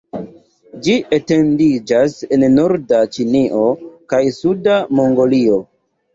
Ĝi etendiĝas en norda Ĉinio kaj suda Mongolio.